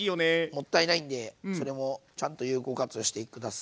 もったいないんでそれもちゃんと有効活用して下さい。